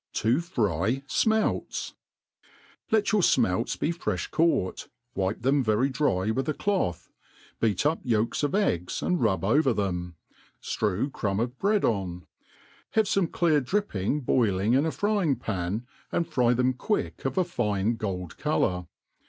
To fry Smettu LET your fmelts b^ frefli caught, wipe them very dry with a cloth, beat up yolks of eggs and rub over them, ftrew crumb of bread on ; have fome clear dripping boiling in a fry ing pan, and fry them quick of a fine gold colour.